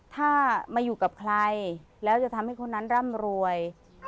ถ้ามาอยู่กับใครแล้วจะทำให้คนนั้นร่ำรวย